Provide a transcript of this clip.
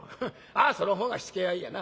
あその方が火つけがいいやな。